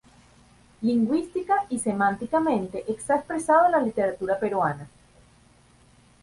Lingüística y semánticamente está expresado en la literatura peruana.